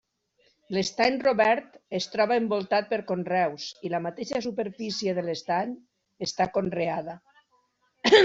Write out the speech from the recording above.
L'estany Robert es troba envoltat per conreus i la mateixa superfície de l'estany està conreada.